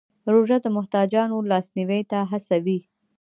روژه د محتاجانو لاسنیوی ته هڅوي.